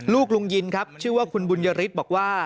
ลูกลุงยินครับชื่อว่าคุณบุญริษฐ์บอกว่า